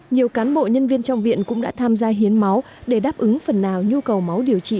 nhiều cán bộ nhân viên trong viện cũng đã tham gia hiến máu để đáp ứng phần nào nhu cầu máu điều trị